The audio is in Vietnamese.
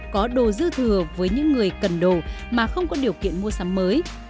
có đồ dư thừa với những người cần đồ mà không có điều kiện mua sắm mới